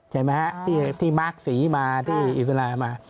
ใช่ไหมครับที่มาร์คศรีมาที่อิติลามา